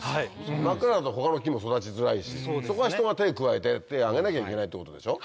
真っ暗だと他の木も育ちづらいしそこは人が手加えてってあげなきゃいけないってことでしょ？